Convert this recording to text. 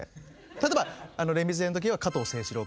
例えば「レ・ミゼ」の時は加藤清史郎君。